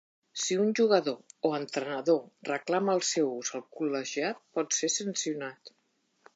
Si un jugador o entrenador reclama el seu ús al col·legiat, pot ser sancionat.